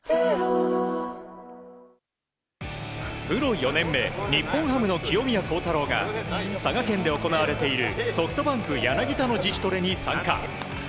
プロ４年目日本ハムの清宮幸太郎が佐賀県で行われているソフトバンク、柳田の自主トレに参加。